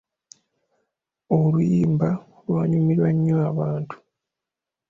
Oluyimba lwanyumira nnyo abantu.